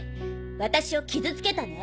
私を傷つけたね！